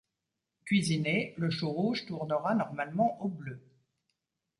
Cuisiné, le chou rouge tournera normalement au bleu.